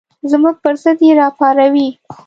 زموږ پر ضد یې راوپاروئ.